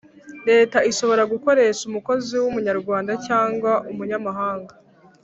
Leta ishobora gukoresha umukozi w’ umunyarwanda cyangwa umunyamahanga